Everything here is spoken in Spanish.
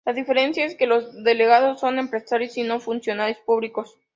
La diferencia es que los delegados son empresarios y no funcionarios públicos.